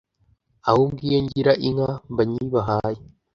ahubwo iyo ngira inka mba nyibahaye!